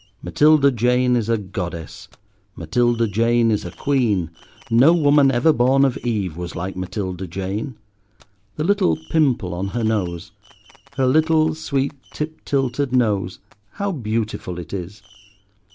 Matilda Jane is a goddess; Matilda Jane is a queen; no woman ever born of Eve was like Matilda Jane. The little pimple on her nose—her little, sweet, tip tilted nose—how beautiful it is.